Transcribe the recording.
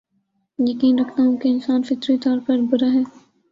یقین رکھتا ہوں کے انسان فطری طور پر برا ہے